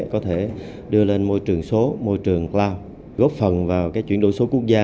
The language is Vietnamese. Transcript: có thể đưa lên môi trường số môi trường cloud góp phần vào chuyển đổi số quốc gia